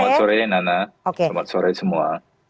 selamat sore nana selamat sore semua